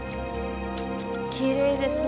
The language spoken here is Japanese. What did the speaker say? きれいですね。